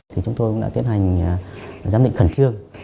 thì chúng tôi cũng đã tiến hành giám định khẩn trương